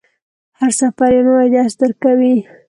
هر سفر یو نوی درس درکوي.